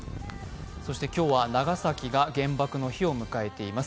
今日は長崎が原爆の日を迎えています。